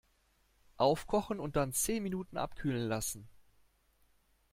Aufkochen und dann zehn Minuten abkühlen lassen.